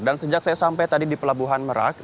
dan sejak saya sampai tadi di pelabuhan merak